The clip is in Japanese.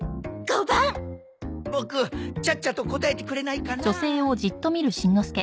ボクちゃっちゃと答えてくれないかな？